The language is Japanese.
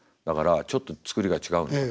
だからちょっと作りが違う。